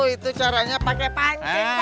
itu caranya pake pancing